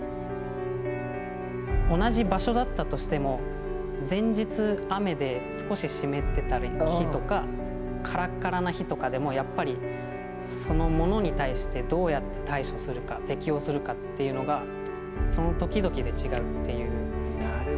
同じ場所だったとしても、前日雨で少し湿ってた日とか、からからな日とかでもそのものに対してどうやって対処するか、適応するかというのが、その時々で違うという。